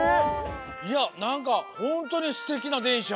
いやなんかホントにすてきなでんしゃ。